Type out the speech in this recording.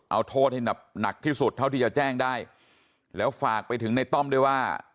เอาโทษให้หนักที่สุดเท่าที่จะแจ้งได้แล้วฝากไปถึงในต้อมด้วยว่า